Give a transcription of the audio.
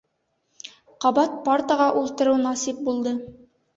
Ҡабат партаға ултырыу насип булды.